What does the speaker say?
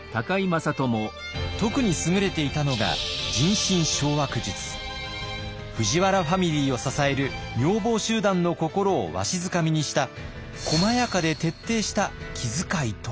特に優れていたのが藤原ファミリーを支える女房集団の心をわしづかみにした細やかで徹底した気遣いとは？